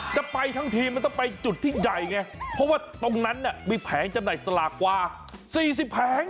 จะไปทั้งทีมันต้องไปจุดที่ใหญ่ไงเพราะว่าตรงนั้นเนี่ยมีแผงจำหน่ายสลากกว่า๔๐แผง